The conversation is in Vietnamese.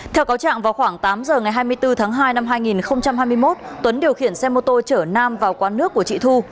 theo cáo trạng vào khoảng tám giờ ngày hai mươi bốn tháng hai năm hai nghìn hai mươi một tuấn điều khiển xe mô tô chở nam vào quán nước của chị thu